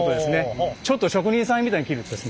ちょっと職人さんみたいに切るとですね